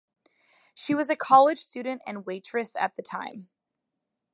She was a college student and waitress at the time.